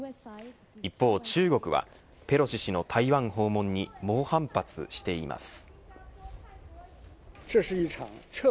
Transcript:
一方、中国はペロシ氏の台湾訪問に猛反発しています。